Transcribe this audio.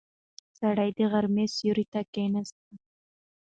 سړی د غرمې سیوري ته کیناست.